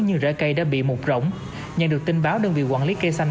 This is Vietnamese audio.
như rễ cây đã bị mục rỗng nhân được tin báo đơn vị quản lý cây xanh